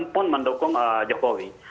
pun mendukung jokowi